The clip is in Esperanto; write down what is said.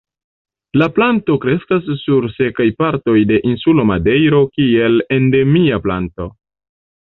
La planto kreskas sur sekaj partoj de insulo Madejro kiel endemia planto.